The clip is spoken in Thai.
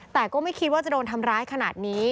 แต่ก็ไม่คิดว่าจะโดนทำร้ายขนาดนี้